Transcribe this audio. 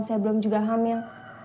saya belum juga hamil